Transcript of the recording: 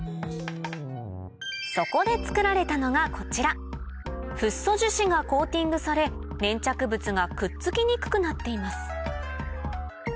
そこで作られたのがこちらフッ素樹脂がコーティングされ粘着物がくっつきにくくなっています